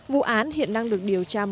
vụ án hiện đang được điều tra mở rộng